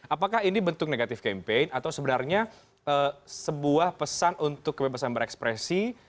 apakah ini bentuk negatif campaign atau sebenarnya sebuah pesan untuk kebebasan berekspresi